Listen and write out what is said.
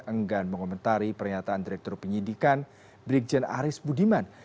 enggan mengomentari pernyataan direktur penyidikan brigjen aris budiman